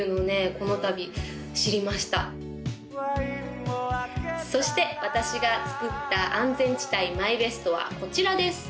このたび知りましたそして私が作った安全地帯ＭＹＢＥＳＴはこちらです